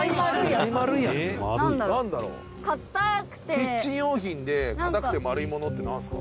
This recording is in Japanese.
キッチン用品で硬くて丸いものってなんですか？」